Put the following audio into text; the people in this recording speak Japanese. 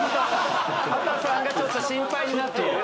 波多さんがちょっと心配になっている？